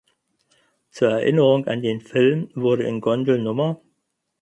Zur Erinnerung an den Film wurde in Gondel Nr.